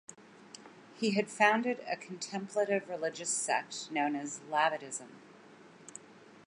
He had founded a contemplative religious sect known as Labadism.